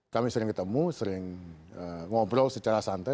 kami sering ketemu sering ngobrol secara santai